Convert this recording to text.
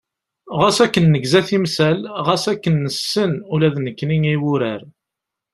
Xas akken negza timsal, xas akken nessen ula d nekkni i wurar.